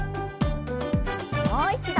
もう一度。